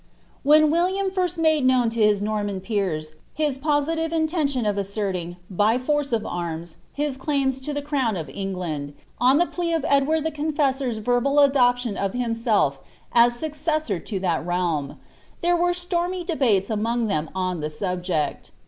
When William first made known to hifi Norman peers hLi positive in> tentioa of asserting, by force of arms, his claims to the crown of Eng land, on the pica of Eidward the Confessor's verbal adoption of himself as successor to that realm, there were stormy debates among them oD tlie subject.